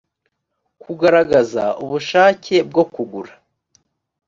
kugaragaza ubushake bwo kugura